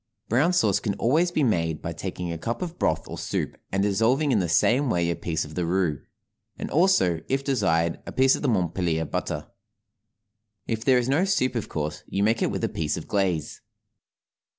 Brown sauce can always be made by taking a cup of broth or soup and dissolving in the same way a piece of the roux; and also, if desired, a piece of Montpellier butter. If there is no soup of course you make it with a piece of glaze.